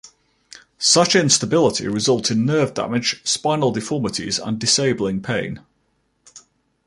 Such instability results in nerve damage, spinal deformities, and disabling pain.